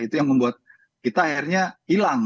itu yang membuat kita akhirnya hilang